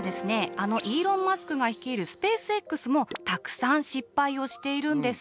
あのイーロン・マスクが率いるスペースＸもたくさん失敗をしているんです。